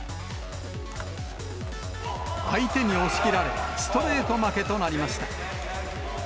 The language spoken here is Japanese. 相手に押し切られ、ストレート負けとなりました。